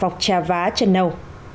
trà vá trần nâu